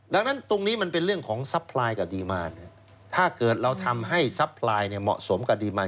ดังนั้นตรงนี้มันเป็นเรื่องของซัพพลายกับดีมารถ้าเกิดเราทำให้ซัพพลายเนี่ยเหมาะสมกับดีมาน